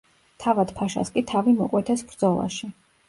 თავად ფაშას კი თავი მოკვეთეს ბრძოლაში.